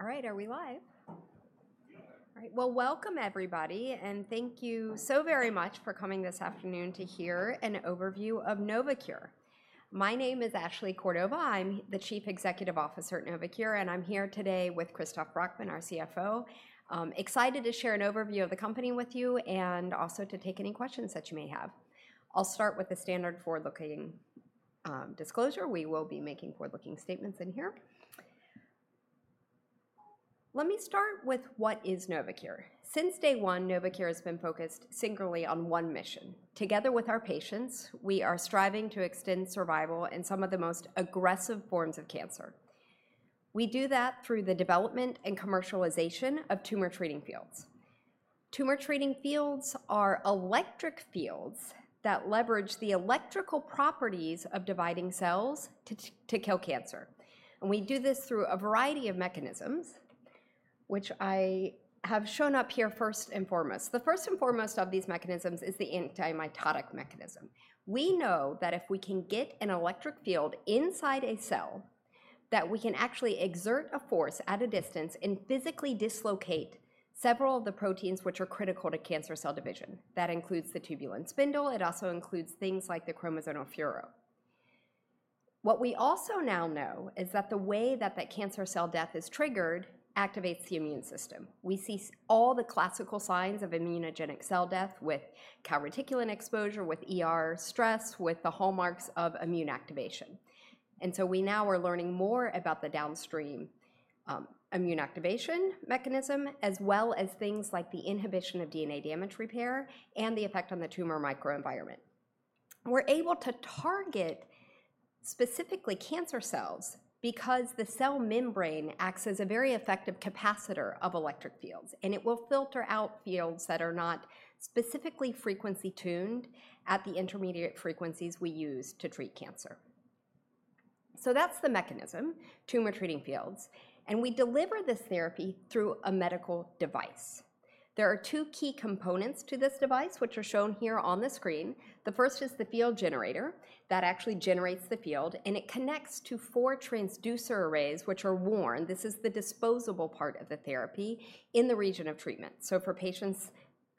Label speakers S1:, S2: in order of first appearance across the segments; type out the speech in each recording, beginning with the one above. S1: All right, are we live? All right, welcome everybody, and thank you so very much for coming this afternoon to hear an overview of Novocure. My name is Ashley Cordova. I'm the Chief Executive Officer at Novocure, and I'm here today with Christoph Brackmann, our CFO. Excited to share an overview of the company with you and also to take any questions that you may have. I'll start with the standard forward-looking disclosure. We will be making forward-looking statements in here. Let me start with what is Novocure. Since day one, Novocure has been focused singularly on one mission. Together with our patients, we are striving to extend survival in some of the most aggressive forms of cancer. We do that through the development and commercialization of Tumor Treating Fields. Tumor Treating Fields are electric fields that leverage the electrical properties of dividing cells to kill cancer. We do this through a variety of mechanisms, which I have shown up here first and foremost. The first and foremost of these mechanisms is the antimitotic mechanism. We know that if we can get an electric field inside a cell, we can actually exert a force at a distance and physically dislocate several of the proteins which are critical to cancer cell division. That includes the tubulin spindle. It also includes things like the chromosomal furrow. What we also now know is that the way that that cancer cell death is triggered activates the immune system. We see all the classical signs of immunogenic cell death with calreticulin exposure, with ER stress, with the hallmarks of immune activation. We now are learning more about the downstream immune activation mechanism, as well as things like the inhibition of DNA damage repair and the effect on the tumor microenvironment. We're able to target specifically cancer cells because the cell membrane acts as a very effective capacitor of electric fields, and it will filter out fields that are not specifically frequency-tuned at the intermediate frequencies we use to treat cancer. That's the mechanism, Tumor Treating Fields, and we deliver this therapy through a medical device. There are two key components to this device, which are shown here on the screen. The first is the field generator that actually generates the field, and it connects to four transducer arrays which are worn. This is the disposable part of the therapy in the region of treatment. For patients,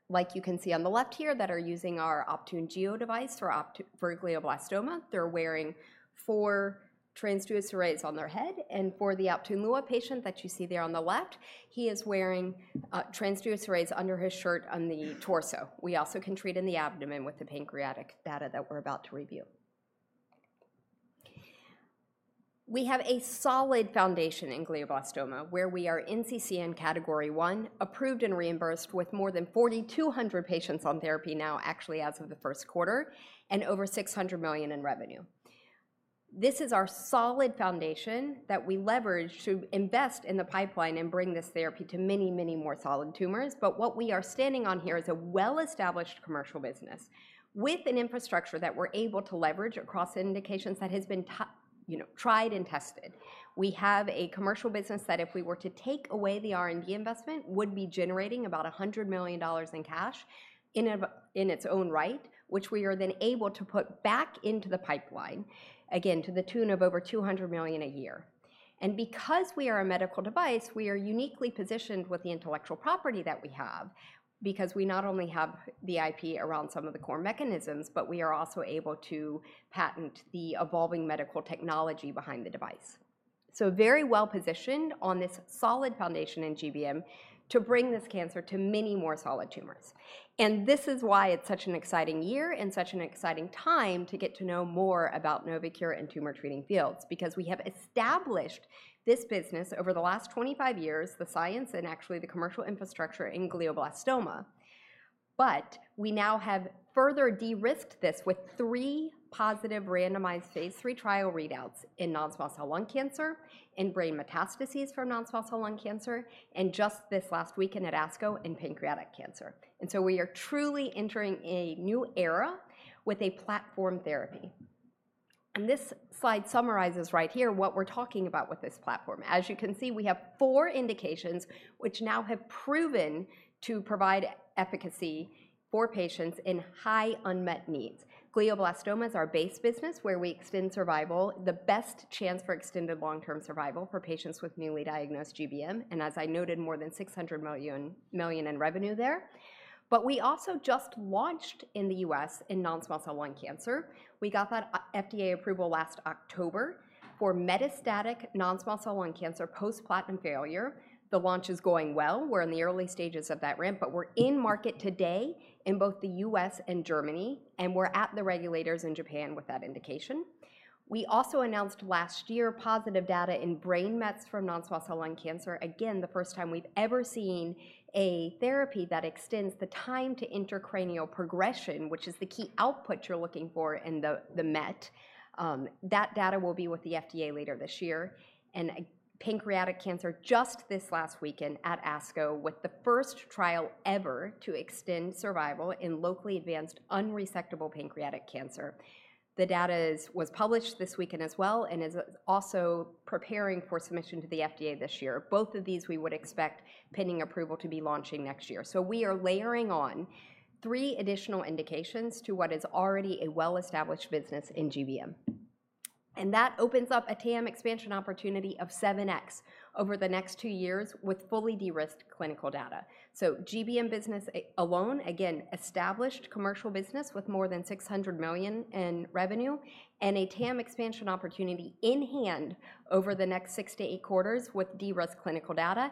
S1: like you can see on the left here, that are using our Optune Gio device for glioblastoma, they're wearing four transducer arrays on their head. For the Optune Lua patient that you see there on the left, he is wearing transducer arrays under his shirt on the torso. We also can treat in the abdomen with the pancreatic data that we're about to review. We have a solid foundation in glioblastoma where we are NCCN category 1, approved and reimbursed with more than 4,200 patients on therapy now, actually as of the first quarter, and over $600 million in revenue. This is our solid foundation that we leverage to invest in the pipeline and bring this therapy to many, many more solid tumors. What we are standing on here is a well-established commercial business with an infrastructure that we're able to leverage across indications that has been tried and tested. We have a commercial business that if we were to take away the R&D investment, would be generating about $100 million in cash in its own right, which we are then able to put back into the pipeline, again, to the tune of over $200 million a year. Because we are a medical device, we are uniquely positioned with the intellectual property that we have because we not only have the IP around some of the core mechanisms, but we are also able to patent the evolving medical technology behind the device. Very well positioned on this solid foundation in GBM to bring this cancer to many more solid tumors. This is why it's such an exciting year and such an exciting time to get to know more about Novocure and Tumor Treating Fields, because we have established this business over the last 25 years, the science and actually the commercial infrastructure in glioblastoma. We now have further de-risked this with three positive randomized phase III trial readouts in non-small cell lung cancer and brain metastases from non-small cell lung cancer, and just this last weekend at ASCO in pancreatic cancer. We are truly entering a new era with a platform therapy. This slide summarizes right here what we're talking about with this platform. As you can see, we have four indications which now have proven to provide efficacy for patients in high unmet needs. Glioblastoma is our base business where we extend survival, the best chance for extended long-term survival for patients with newly diagnosed GBM. As I noted, more than $600 million in revenue there. We also just launched in the US in non-small cell lung cancer. We got that FDA approval last October for metastatic non-small cell lung cancer post-platinum failure. The launch is going well. We're in the early stages of that ramp, but we're in market today in both the US and Germany, and we're at the regulators in Japan with that indication. We also announced last year positive data in brain mets from non-small cell lung cancer. Again, the first time we've ever seen a therapy that extends the time to intracranial progression, which is the key output you're looking for in the met. That data will be with the FDA later this year. Pancreatic cancer just this last weekend at ASCO with the first trial ever to extend survival in locally advanced unresectable pancreatic cancer. The data was published this weekend as well and is also preparing for submission to the FDA this year. Both of these we would expect pending approval to be launching next year. We are layering on three additional indications to what is already a well-established business in GBM. That opens up a TAM expansion opportunity of 7X over the next two years with fully de-risked clinical data. GBM business alone, again, established commercial business with more than $600 million in revenue and a TAM expansion opportunity in hand over the next six to eight quarters with de-risked clinical data,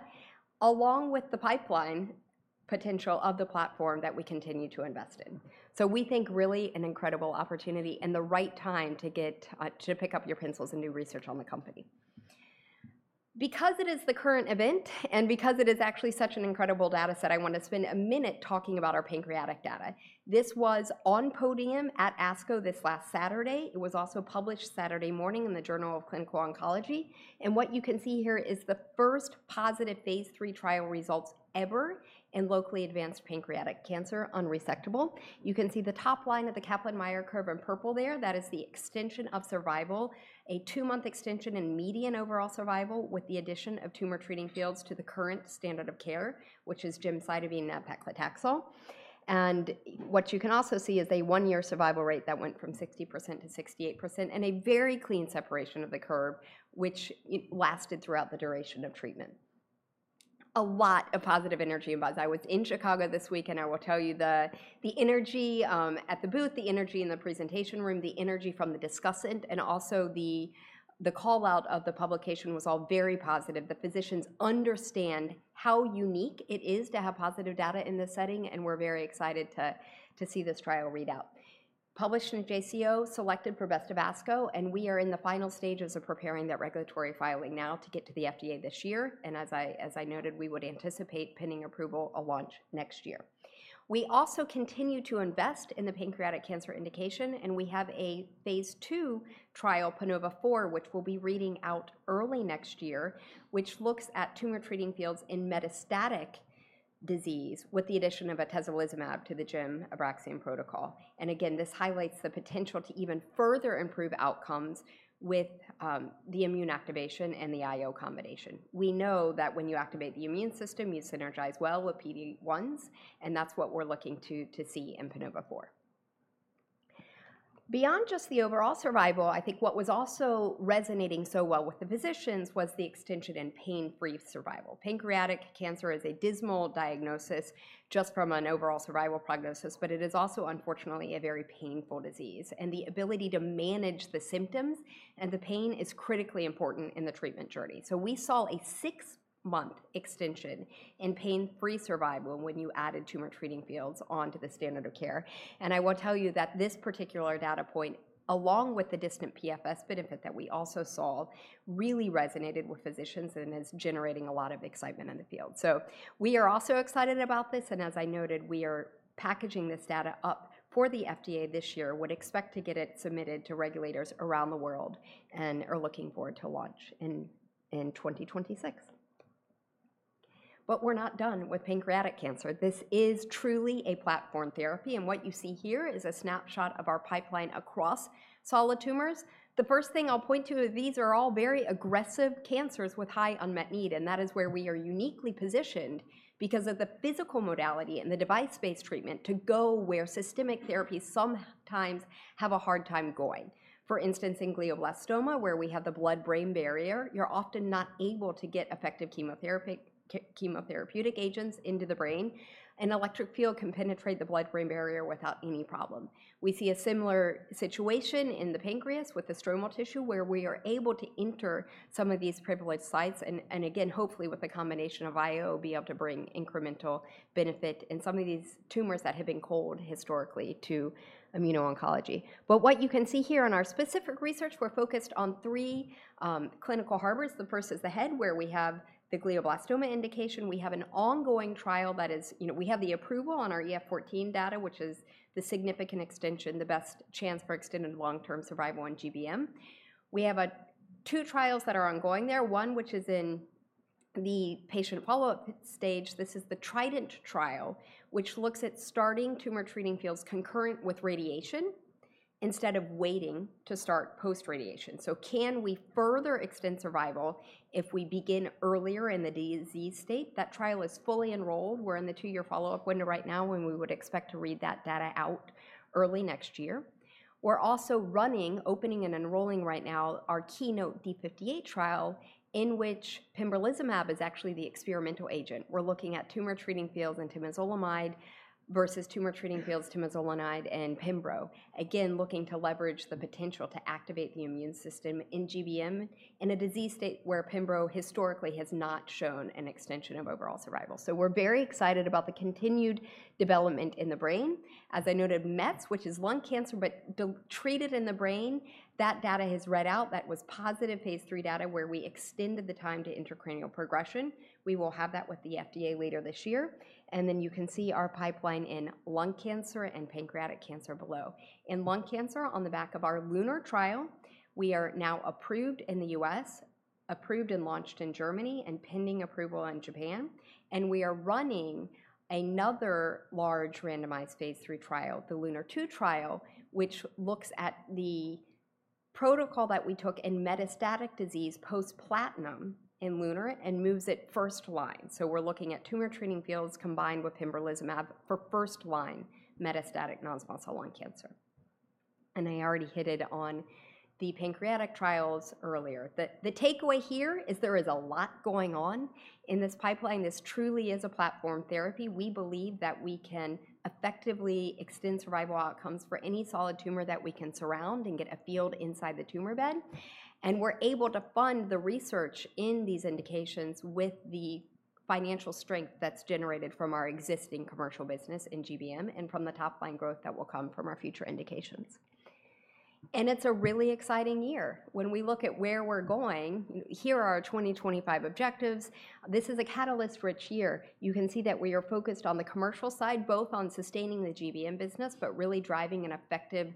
S1: along with the pipeline potential of the platform that we continue to invest in. We think really an incredible opportunity and the right time to pick up your pencils and do research on the company. Because it is the current event and because it is actually such an incredible data set, I want to spend a minute talking about our pancreatic data. This was on podium at ASCO this last Saturday. It was also published Saturday morning in the Journal of Clinical Oncology. What you can see here is the first positive phase III trial results ever in locally advanced pancreatic cancer unresectable. You can see the top line of the Kaplan-Meier curve in purple there. That is the extension of survival, a two-month extension in median overall survival with the addition of Tumor Treating Fields to the current standard of care, which is gemcitabine and paclitaxel. What you can also see is a one-year survival rate that went from 60% to 68% and a very clean separation of the curve, which lasted throughout the duration of treatment. A lot of positive energy in Buzz. I was in Chicago this week, and I will tell you the energy at the booth, the energy in the presentation room, the energy from the discussant, and also the callout of the publication was all very positive. The physicians understand how unique it is to have positive data in this setting, and we're very excited to see this trial readout. Published in JCO, selected for Best of ASCO, and we are in the final stages of preparing that regulatory filing now to get to the FDA this year. As I noted, we would anticipate pending approval a launch next year. We also continue to invest in the pancreatic cancer indication, and we have a phase II trial, PANOVA-4, which we will be reading out early next year, which looks at Tumor Treating Fields in metastatic disease with the addition of atezolizumab to the gemcitabine Abraxane protocol. This highlights the potential to even further improve outcomes with the immune activation and the IO combination. We know that when you activate the immune system, you synergize well with PD-1s, and that is what we are looking to see in PANOVA-4. Beyond just the overall survival, I think what was also resonating so well with the physicians was the extension in pain-free survival. Pancreatic cancer is a dismal diagnosis just from an overall survival prognosis, but it is also, unfortunately, a very painful disease. The ability to manage the symptoms and the pain is critically important in the treatment journey. We saw a six-month extension in pain-free survival when you added Tumor Treating Fields onto the standard of care. I will tell you that this particular data point, along with the distant PFS benefit that we also saw, really resonated with physicians and is generating a lot of excitement in the field. We are also excited about this. As I noted, we are packaging this data up for the FDA this year, would expect to get it submitted to regulators around the world and are looking forward to launch in 2026. We are not done with pancreatic cancer. This is truly a platform therapy. What you see here is a snapshot of our pipeline across solid tumors. The first thing I'll point to, these are all very aggressive cancers with high unmet need. That is where we are uniquely positioned because of the physical modality and the device-based treatment to go where systemic therapies sometimes have a hard time going. For instance, in glioblastoma, where we have the blood-brain barrier, you're often not able to get effective chemotherapeutic agents into the brain. An electric field can penetrate the blood-brain barrier without any problem. We see a similar situation in the pancreas with the stromal tissue, where we are able to enter some of these privileged sites. Hopefully with the combination of IO, be able to bring incremental benefit in some of these tumors that have been cold historically to immuno-oncology. What you can see here in our specific research, we're focused on three clinical harbors. The first is the head, where we have the glioblastoma indication. We have an ongoing trial that is, we have the approval on our EF-14 data, which is the significant extension, the best chance for extended long-term survival in GBM. We have two trials that are ongoing there, one which is in the patient follow-up stage. This is the TRIDENT trial, which looks at starting Tumor Treating Fields concurrent with radiation instead of waiting to start post-radiation. Can we further extend survival if we begin earlier in the disease state? That trial is fully enrolled. We're in the two-year follow-up window right now, and we would expect to read that data out early next year. We're also running, opening, and enrolling right now our KEYNOTE D58 trial in which pembrolizumab is actually the experimental agent. We're looking at Tumor Treating Fields and temozolomide versus Tumor Treating Fields, temozolomide, and pembro. Again, looking to leverage the potential to activate the immune system in GBM in a disease state where pembro historically has not shown an extension of overall survival. We are very excited about the continued development in the brain. As I noted, mets, which is lung cancer, but treated in the brain, that data has read out. That was positive phase III data where we extended the time to intracranial progression. We will have that with the FDA later this year. You can see our pipeline in lung cancer and pancreatic cancer below. In lung cancer, on the back of our LUNAR trial, we are now approved in the U.S., approved and launched in Germany, and pending approval in Japan. We are running another large randomized phase III trial, the LUNAR-2 trial, which looks at the protocol that we took in metastatic disease post-platinum in LUNAR and moves it first line. We are looking at Tumor Treating Fields combined with pembrolizumab for first line metastatic non-small cell lung cancer. I already hinted on the pancreatic trials earlier. The takeaway here is there is a lot going on in this pipeline. This truly is a platform therapy. We believe that we can effectively extend survival outcomes for any solid tumor that we can surround and get a field inside the tumor bed. We are able to fund the research in these indications with the financial strength that is generated from our existing commercial business in GBM and from the top line growth that will come from our future indications. It is a really exciting year. When we look at where we're going, here are our 2025 objectives. This is a catalyst-rich year. You can see that we are focused on the commercial side, both on sustaining the GBM business, but really driving an effective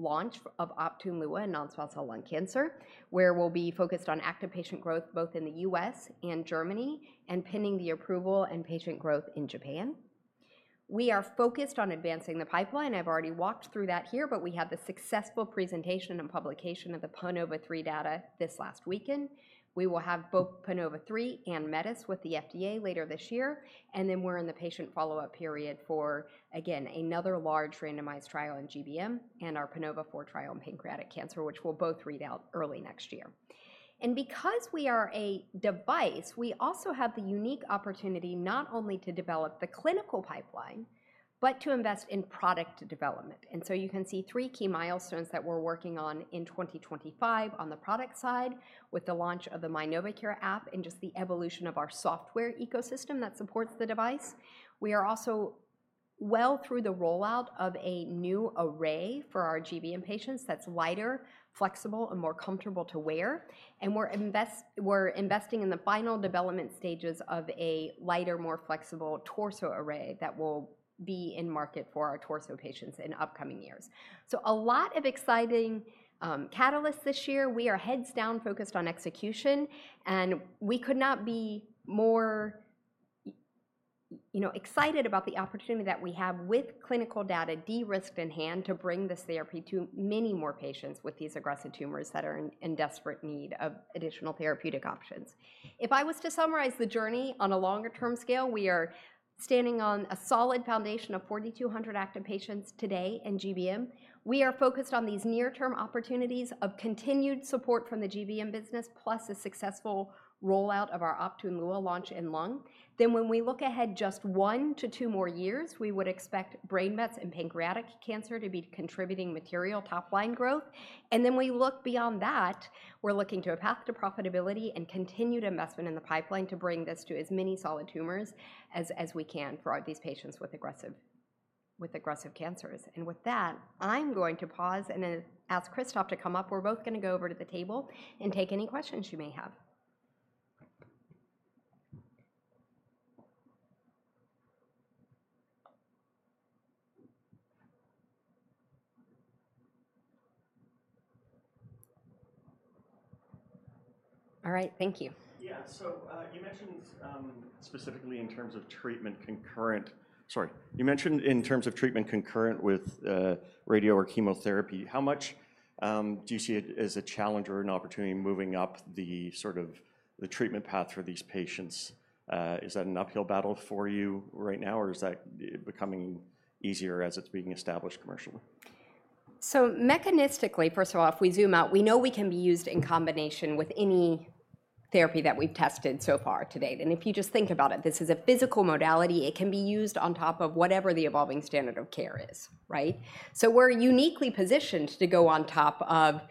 S1: launch of Optune Lua in non-small cell lung cancer, where we'll be focused on active patient growth both in the U.S. and Germany and pending the approval and patient growth in Japan. We are focused on advancing the pipeline. I've already walked through that here, but we had the successful presentation and publication of the PANOVA-3 data this last weekend. We will have both PANOVA-3 and METIS with the FDA later this year. We are in the patient follow-up period for, again, another large randomized trial in GBM and our PANOVA-4 trial in pancreatic cancer, which will both read out early next year. Because we are a device, we also have the unique opportunity not only to develop the clinical pipeline, but to invest in product development. You can see three key milestones that we're working on in 2025 on the product side with the launch of the MyNovaCure app and just the evolution of our software ecosystem that supports the device. We are also well through the rollout of a new array for our GBM patients that's lighter, flexible, and more comfortable to wear. We are investing in the final development stages of a lighter, more flexible torso array that will be in market for our torso patients in upcoming years. A lot of exciting catalysts this year. We are heads down focused on execution, and we could not be more excited about the opportunity that we have with clinical data de-risked in hand to bring this therapy to many more patients with these aggressive tumors that are in desperate need of additional therapeutic options. If I was to summarize the journey on a longer-term scale, we are standing on a solid foundation of 4,200 active patients today in GBM. We are focused on these near-term opportunities of continued support from the GBM business, plus a successful rollout of our Optune Lua launch in lung. When we look ahead just one to two more years, we would expect brain mets and pancreatic cancer to be contributing material top line growth. We look beyond that. We're looking to a path to profitability and continued investment in the pipeline to bring this to as many solid tumors as we can for these patients with aggressive cancers. With that, I'm going to pause and ask Christoph to come up. We're both going to go over to the table and take any questions you may have. All right, thank you. Yeah, you mentioned specifically in terms of treatment concurrent, sorry, you mentioned in terms of treatment concurrent with radio or chemotherapy, how much do you see it as a challenge or an opportunity moving up the sort of the treatment path for these patients? Is that an uphill battle for you right now, or is that becoming easier as it's being established commercially? Mechanistically, first of all, if we zoom out, we know we can be used in combination with any therapy that we've tested so far to date. If you just think about it, this is a physical modality. It can be used on top of whatever the evolving standard of care is, right? We're uniquely positioned to go on top of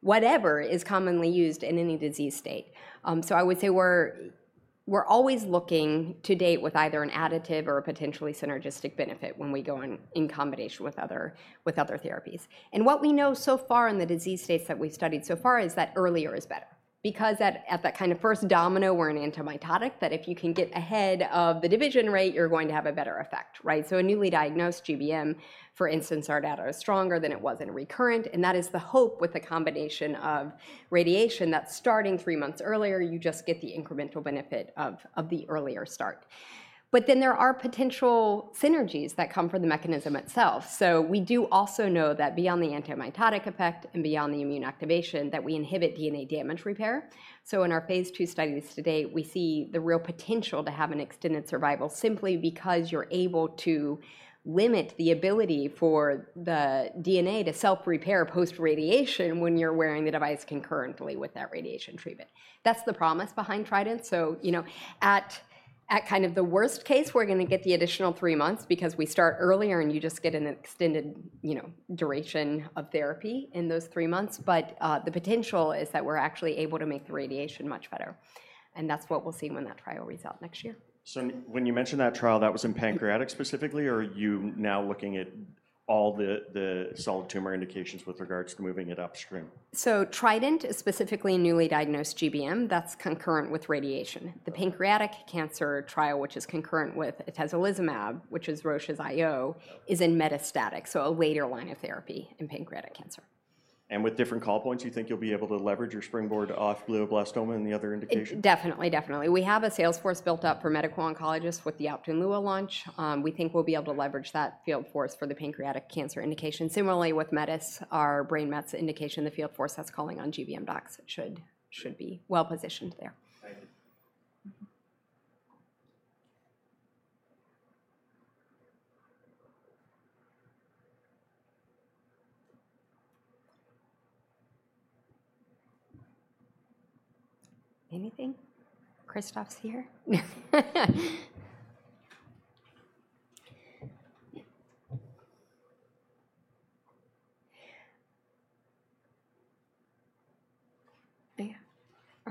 S1: whatever is commonly used in any disease state. I would say we're always looking to date with either an additive or a potentially synergistic benefit when we go in combination with other therapies. What we know so far in the disease states that we've studied so far is that earlier is better. Because at that kind of first domino, we're an antimitotic that if you can get ahead of the division rate, you're going to have a better effect, right? A newly diagnosed GBM, for instance, our data is stronger than it was in recurrent. That is the hope with the combination of radiation, that starting three months earlier, you just get the incremental benefit of the earlier start. There are potential synergies that come from the mechanism itself. We do also know that beyond the antimitotic effect and beyond the immune activation, we inhibit DNA damage repair. In our phase II studies today, we see the real potential to have an extended survival simply because you're able to limit the ability for the DNA to self-repair post-radiation when you're wearing the device concurrently with that radiation treatment. That's the promise behind TRIDENT. At kind of the worst case, we're going to get the additional three months because we start earlier and you just get an extended duration of therapy in those three months. The potential is that we're actually able to make the radiation much better. That's what we'll see when that trial reads out next year. When you mentioned that trial, that was in pancreatic specifically, or are you now looking at all the solid tumor indications with regards to moving it upstream? TRIDENT is specifically newly diagnosed GBM that's concurrent with radiation. The pancreatic cancer trial, which is concurrent with atezolizumab, which is Roche's IO, is in metastatic. A later line of therapy in pancreatic cancer. With different call points, you think you'll be able to leverage your springboard off glioblastoma and the other indications? Definitely, definitely. We have a sales force built up for medical oncologists with the Optune Lua launch. We think we'll be able to leverage that field force for the pancreatic cancer indication. Similarly, with METIS, our brain mets indication, the field force that's calling on GBM docs should be well positioned there. Thank you. Anything? Christoph's here?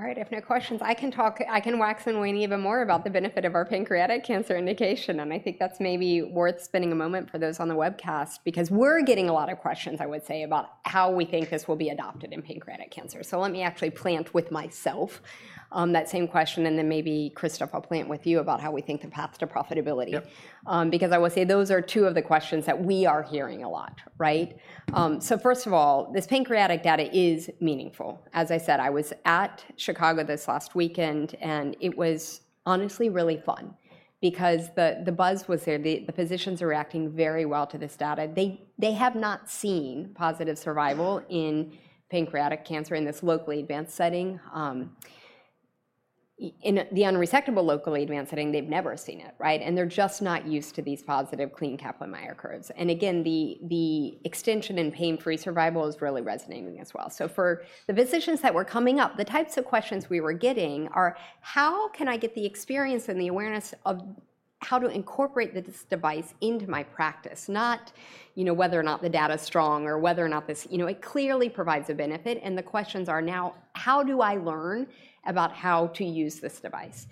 S1: All right, if no questions, I can talk, I can wax and wane even more about the benefit of our pancreatic cancer indication. I think that's maybe worth spending a moment for those on the webcast because we're getting a lot of questions, I would say, about how we think this will be adopted in pancreatic cancer. Let me actually plant with myself that same question, and then maybe Christoph, I'll plant with you about how we think the path to profitability. Because I will say those are two of the questions that we are hearing a lot, right? First of all, this pancreatic data is meaningful. As I said, I was at Chicago this last weekend, and it was honestly really fun because the buzz was there. The physicians are reacting very well to this data. They have not seen positive survival in pancreatic cancer in this locally advanced setting. In the unresectable locally advanced setting, they've never seen it, right? They are just not used to these positive clean Kaplan-Meier curves. Again, the extension and pain-free survival is really resonating as well. For the physicians that were coming up, the types of questions we were getting are, how can I get the experience and the awareness of how to incorporate this device into my practice? Not whether or not the data is strong or whether or not this, it clearly provides a benefit. The questions are now, how do I learn about how to use this device?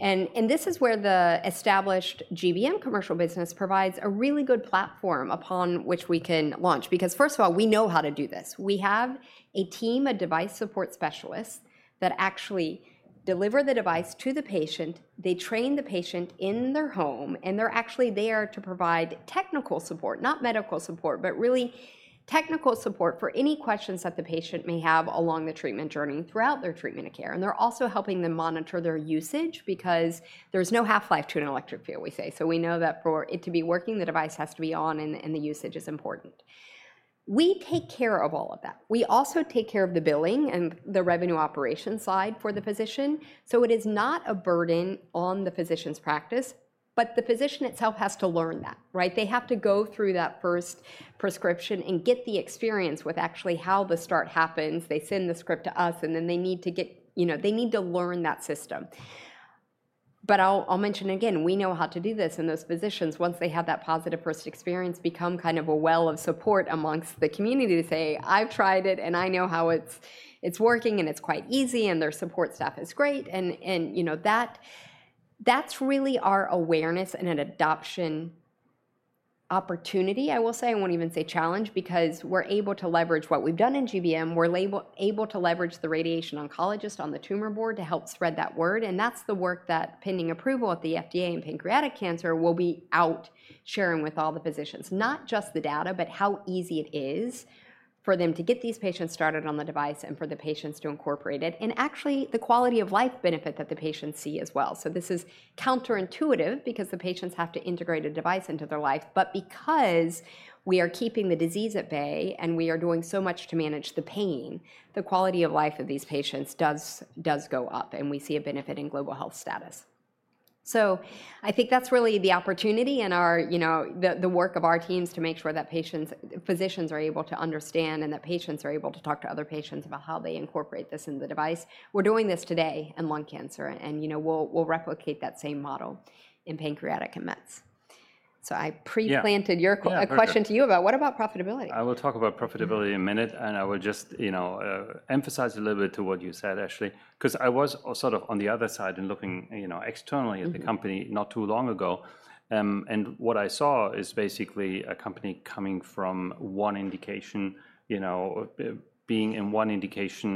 S1: This is where the established GBM commercial business provides a really good platform upon which we can launch. First of all, we know how to do this. We have a team of device support specialists that actually deliver the device to the patient. They train the patient in their home, and they're actually there to provide technical support, not medical support, but really technical support for any questions that the patient may have along the treatment journey throughout their treatment of care. They're also helping them monitor their usage because there's no half-life to an electric vehicle, we say. We know that for it to be working, the device has to be on, and the usage is important. We take care of all of that. We also take care of the billing and the revenue operation side for the physician. It is not a burden on the physician's practice, but the physician itself has to learn that, right? They have to go through that first prescription and get the experience with actually how the start happens. They send the script to us, and then they need to get, they need to learn that system. I'll mention again, we know how to do this in those physicians. Once they have that positive first experience, they become kind of a well of support amongst the community to say, I've tried it, and I know how it's working, and it's quite easy, and their support staff is great. That is really our awareness and an adoption opportunity, I will say. I will not even say challenge because we are able to leverage what we have done in GBM. We are able to leverage the radiation oncologist on the tumor board to help spread that word. That is the work that, pending approval at the FDA in pancreatic cancer, we will be out sharing with all the physicians. Not just the data, but how easy it is for them to get these patients started on the device and for the patients to incorporate it. Actually, the quality of life benefit that the patients see as well. This is counterintuitive because the patients have to integrate a device into their life. Because we are keeping the disease at bay and we are doing so much to manage the pain, the quality of life of these patients does go up, and we see a benefit in global health status. I think that's really the opportunity and the work of our teams to make sure that physicians are able to understand and that patients are able to talk to other patients about how they incorporate this in the device. We're doing this today in lung cancer, and we'll replicate that same model in pancreatic and mets. I pre-planted a question to you about what about profitability?
S2: I will talk about profitability in a minute, and I will just emphasize a little bit to what you said, Ashley, because I was sort of on the other side and looking externally at the company not too long ago. What I saw is basically a company coming from one indication, being in one indication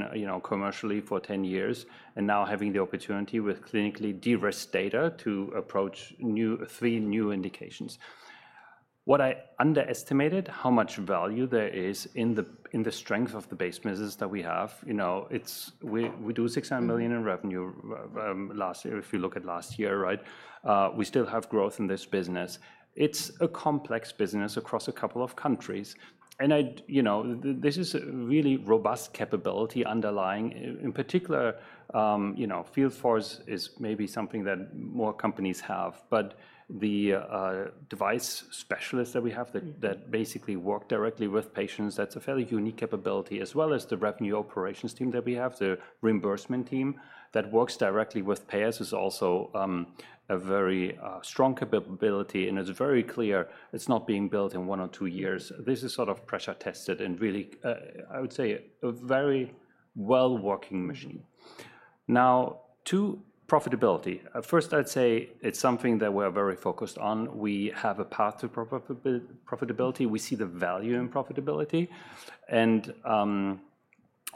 S2: commercially for 10 years, and now having the opportunity with clinically de-risked data to approach three new indications. What I underestimated is how much value there is in the strength of the base business that we have. We do $600 million in revenue last year, if you look at last year, right? We still have growth in this business. It is a complex business across a couple of countries. This is a really robust capability underlying. In particular, FieldForce is maybe something that more companies have, but the device specialists that we have that basically work directly with patients, that is a fairly unique capability, as well as the revenue operations team that we have, the reimbursement team that works directly with payers is also a very strong capability. It is very clear it is not being built in one or two years. This is sort of pressure tested and really, I would say, a very well-working machine. Now, to profitability. First, I would say it is something that we are very focused on. We have a path to profitability. We see the value in profitability.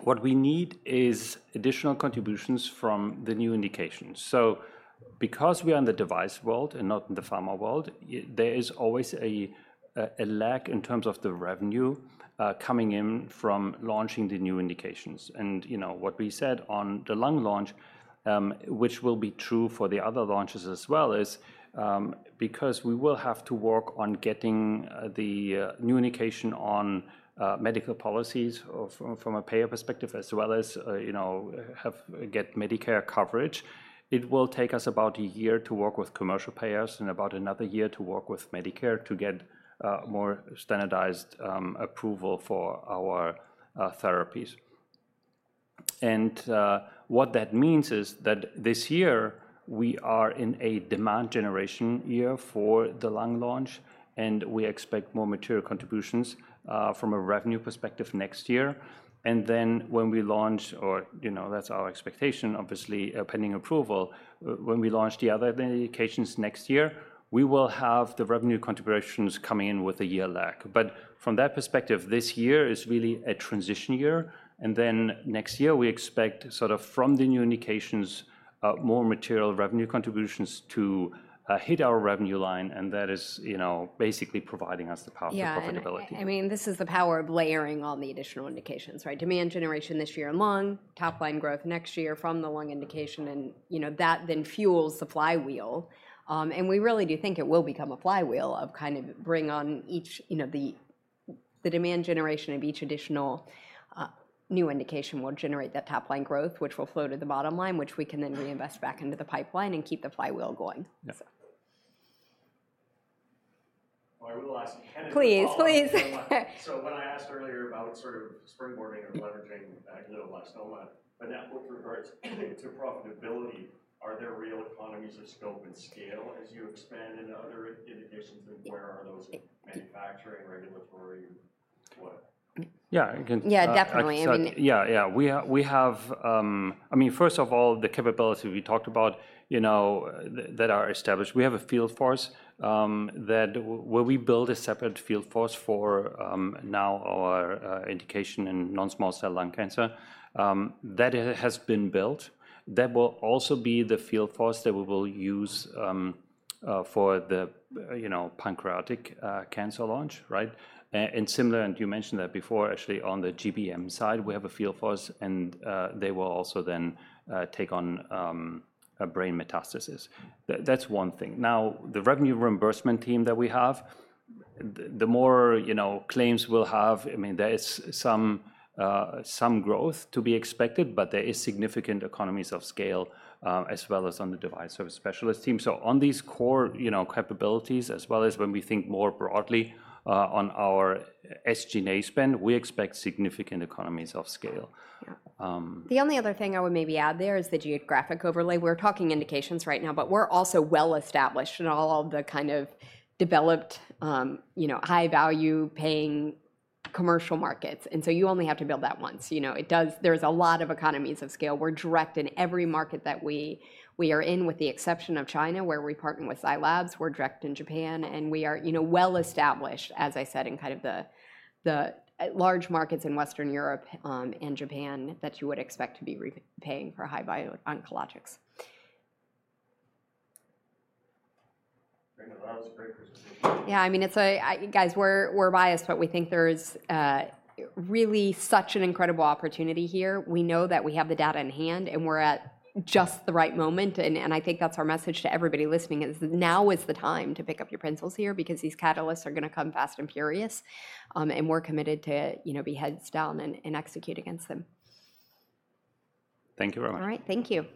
S2: What we need is additional contributions from the new indications. Because we are in the device world and not in the pharma world, there is always a lag in terms of the revenue coming in from launching the new indications. What we said on the lung launch, which will be true for the other launches as well, is because we will have to work on getting the new indication on medical policies from a payer perspective as well as get Medicare coverage.It will take us about a year to work with commercial payers and about another year to work with Medicare to get more standardized approval for our therapies. What that means is that this year, we are in a demand generation year for the lung launch, and we expect more material contributions from a revenue perspective next year. When we launch, or that's our expectation, obviously, pending approval, when we launch the other indications next year, we will have the revenue contributions coming in with a year lag. From that perspective, this year is really a transition year. Next year, we expect sort of from the new indications, more material revenue contributions to hit our revenue line, and that is basically providing us the power of profitability.
S1: Yeah, I mean, this is the power of layering on the additional indications, right? Demand generation this year in lung, top-line growth next year from the lung indication, and that then fuels the flywheel. We really do think it will become a flywheel of kind of bring on each, the demand generation of each additional new indication will generate that top-line growth, which will flow to the bottom line, which we can then reinvest back into the pipeline and keep the flywheel going. Please, please. When I asked earlier about sort of springboarding or leveraging glioblastoma, but now with regards to profitability, are there real economies of scope and scale as you expand into other indications? Where are those manufacturing, regulatory, what?
S2: Yeah, I can.
S1: Yeah, definitely.
S2: Yeah. I mean, first of all, the capability we talked about that are established, we have a FieldForce that where we build a separate FieldForce for now our indication in non-small cell lung cancer. That has been built. That will also be the FieldForce that we will use for the pancreatic cancer launch, right? Similar, and you mentioned that before, Ashley, on the GBM side, we have a FieldForce, and they will also then take on brain metastasis. That's one thing. Now, the revenue reimbursement team that we have, the more claims we'll have, I mean, there is some growth to be expected, but there is significant economies of scale as well as on the device service specialist team. On these core capabilities, as well as when we think more broadly on our SG&A spend, we expect significant economies of scale.
S1: The only other thing I would maybe add there is the geographic overlay. We're talking indications right now, but we're also well-established in all of the kind of developed, high-value paying commercial markets. You only have to build that once. There's a lot of economies of scale. We're direct in every market that we are in, with the exception of China, where we partner with Zai Lab. We're direct in Japan, and we are well-established, as I said, in kind of the large markets in Western Europe and Japan that you would expect to be paying for high-value oncologics. Yeah, I mean, guys, we're biased, but we think there is really such an incredible opportunity here. We know that we have the data in hand, and we're at just the right moment. I think that's our message to everybody listening. Now is the time to pick up your pencils here because these catalysts are going to come fast and furious, and we're committed to be heads down and execute against them. Thank you very much. All right, thank you.